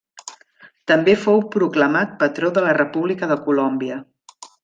També fou proclamat patró de la República de Colòmbia.